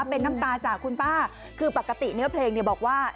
เป็นน้ำตาจากคุณป้าคือปกติเนื้อเพลงเนี่ยบอกว่า